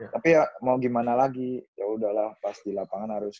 tapi ya mau gimana lagi yaudah lah pasti lapangan harus